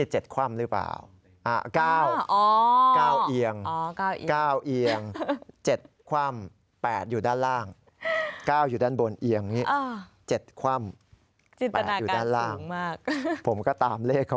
จิตนากันสูงมาก